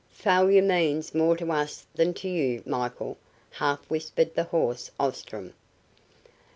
"Failure means more to us than to you, Michael," half whispered the hoarse Ostrom.